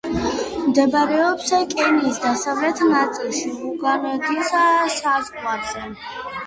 მდებარეობს კენიის დასავლეთ ნაწილში, უგანდის საზღვარზე.